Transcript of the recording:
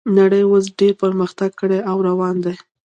نړۍ اوس ډیر پرمختګونه کړي او روان دي